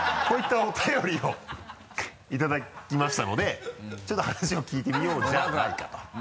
こういったお便りをいただきましたのでちょっと話を聞いてみようじゃないかと。